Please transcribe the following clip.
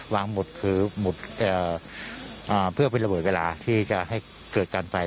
หมุดคือเพื่อเป็นระเบิดเวลาที่จะให้เกิดการไฟ